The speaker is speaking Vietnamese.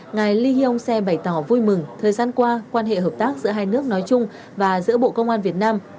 ngài lee hyong seo bày tỏ vui mừng thời gian qua quan hệ hợp tác giữa hai nước nói chung và giữa bộ công an việt nam